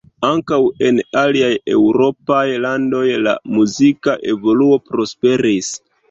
Ankaŭ en aliaj eŭropaj landoj la muzika evoluo prosperis.